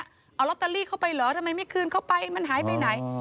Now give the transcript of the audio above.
เอาลอตเตอรี่เข้าไปเหรอทำไมไม่คืนเข้าไปมันหายไปไหน